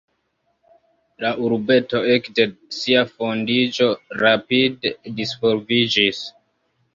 La urbeto ekde sia fondiĝo rapide disvolviĝis.